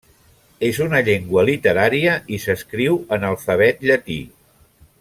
És una llengua literària i s'escriu en alfabet llatí.